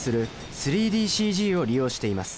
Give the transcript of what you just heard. ３ＤＣＧを利用しています。